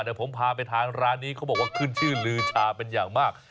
เดี๋ยวผมพาไปทานร้านนี้เขาบอกว่าขึ้นชื่อลือชาเป็นอย่างมาก